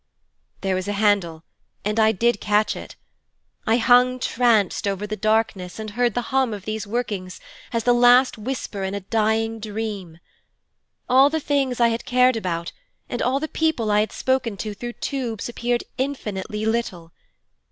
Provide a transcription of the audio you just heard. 'There was a handle, and I did catch it. I hung tranced over the darkness and heard the hum of these workings as the last whisper in a dying dream. All the things I had cared about and all the people I had spoken to through tubes appeared infinitely little.